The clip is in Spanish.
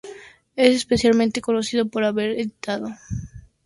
Es especialmente conocido por haber editado varios libros sobre Japón.